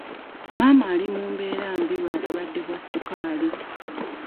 Maama ali mu mbeera mbi lwa bulwadde bwa ssukaali.